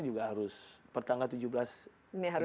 kita harus presence benar